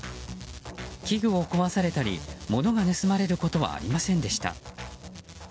器具を壊されたり物が盗まれることはありませんでした。